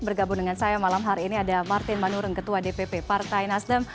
bergabung dengan saya malam hari ini ada martin manurung ketua dpp partai nasdem